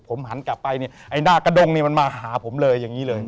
ผมหันกลับไปเนี่ยไอ้หน้ากระดงนี่มันมาหาผมเลยอย่างนี้เลย